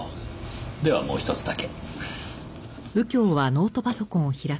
ではもうひとつだけ。